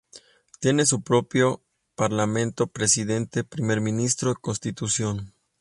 Tiene su propio parlamento, presidente, primer ministro y constitución.